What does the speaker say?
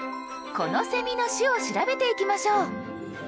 このセミの種を調べていきましょう。